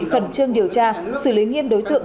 khẩn trương điều tra xử lý nghiêm đối tượng